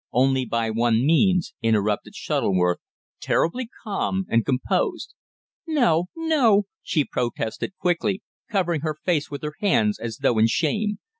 "Only by one means," interrupted Shuttleworth, terribly calm and composed. "No, no!" she protested quickly, covering her face with her hands as though in shame.